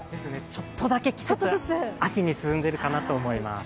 ちょっとだけ季節が秋に進んでいるかなと思います。